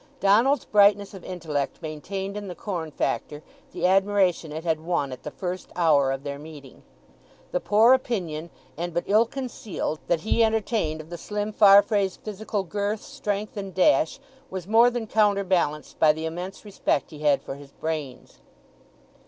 Donald's brightness of intellect maintained in the corn factor the admiration it had won at the first hour of their meeting. The poor opinion, and but ill concealed, that he entertained of the slim Farfrae's physical girth, strength, and dash was more than counterbalanced by the immense respect he had for his brains.